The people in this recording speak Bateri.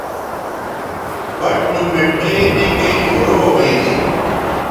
بَٹ نو مٹھے نکئ شروع ھویں گے